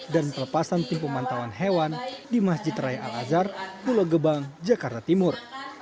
dan perlepasan tim pemantauan hewan di masjid raya al azhar pulau gebang jakarta timur